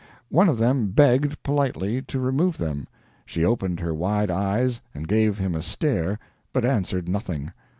One of them begged, politely, to remove them. She opened her wide eyes and gave him a stare, but answered nothing.